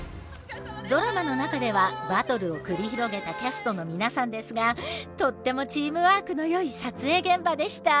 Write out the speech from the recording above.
ドラマの中ではバトルを繰り広げたキャストの皆さんですがとってもチームワークのよい撮影現場でした。